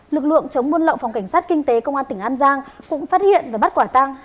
lực lượng chống buôn lậu phòng cảnh sát kinh tế công an tỉnh an giang cũng phát hiện và bắt quả tăng